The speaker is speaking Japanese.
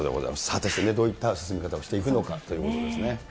さて、どういった進み方をしていくのかということですね。